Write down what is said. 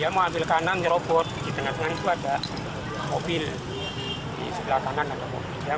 sepuluh meter ya